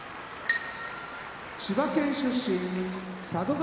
千葉県出身佐渡ヶ